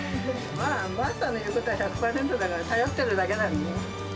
まあ、マスターの言うことは１００％だから、頼ってるだけなのね。